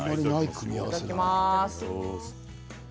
いただきます。